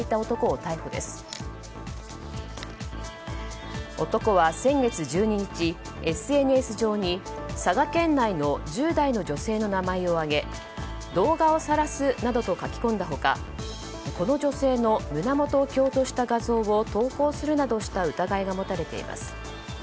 男は先月１２日、ＳＮＳ上に佐賀県内の１０代の女性の名前を挙げ動画をさらすなどと書き込んだ他この女性の胸元を強調した画像を投稿するなどした疑いが持たれています。